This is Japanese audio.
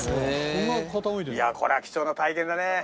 いやこれは貴重な体験だね。